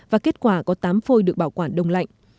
và kết quả có tám phôi được bảo quản đông lạnh